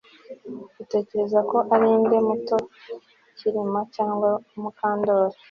Utekereza ko ari nde muto Kirima cyangwa Mukandoli